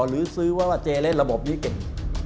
หรือซื้อว่าเจเล่นระบบนี้เก่ง